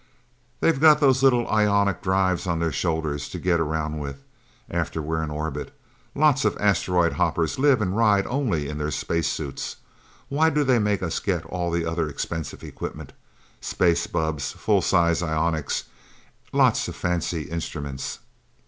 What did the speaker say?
They've got those little ionic drives on their shoulders, to get around with, after we're in orbit. Lots of asteroid hoppers live and ride only in their space suits. Why do they make us get all that other expensive equipment? Space bubbs, full size ionics, lots of fancy instruments!"